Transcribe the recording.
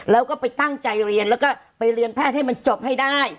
แล้วก็ไปตั้งใจเรียนแล้วก็ไปเรียนแพทย์ให้มันจบให้ได้